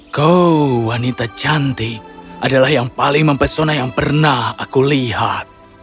kau wanita cantik adalah yang paling mempesona yang pernah aku lihat